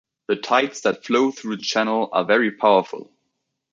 The tides that flow through the channel are very powerful.